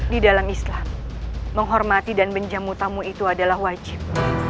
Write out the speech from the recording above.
di dalam islam menghormati dan menjamu tamu itu adalah wajib